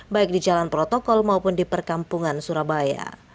baik di jalan protokol maupun di perkampungan surabaya